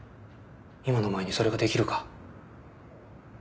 今のお前にそれができるか？